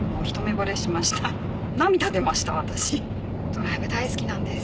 ドライブ大好きなんです。